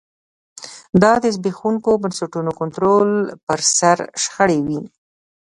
دا د زبېښونکو بنسټونو کنټرول پر سر شخړې وې